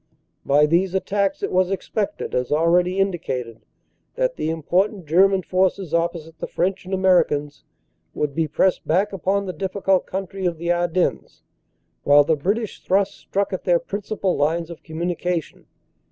"By these attacks, it was expected, as already indicated, that the important German forces opposite the French and Ameri cans would be pressed back upon the difficult country of the Ardennes, while the British thrust struck at their principal lines of communication.